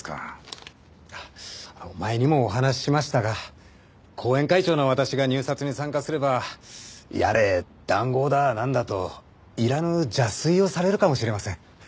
前にもお話ししましたが後援会長の私が入札に参加すればやれ談合だなんだといらぬ邪推をされるかもしれません。